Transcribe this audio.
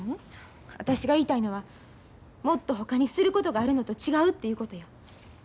私が言いたいのはもっとほかにすることがあるのと違うということや。